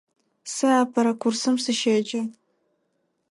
Сэ апэрэ курсым сыщеджэ.